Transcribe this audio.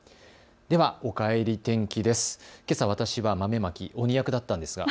では、おかえり天気です。